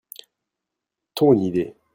Ton idée.